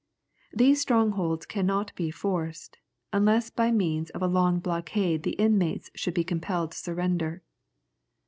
These strongholds cannot be forced, unless by means of a long blockade the inmates should be compelled to surrender.